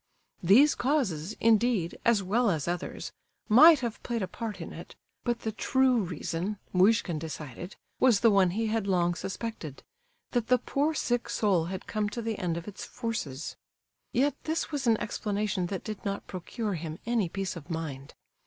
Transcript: These causes, indeed, as well as others, might have played a part in it, but the true reason, Muishkin decided, was the one he had long suspected—that the poor sick soul had come to the end of its forces. Yet this was an explanation that did not procure him any peace of mind.